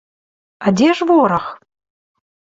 А дзе ж вораг?